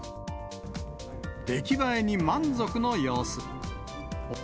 出来栄えに満足の様子。